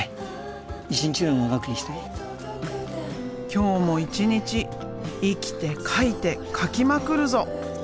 今日も一日生きて描いて描きまくるぞ！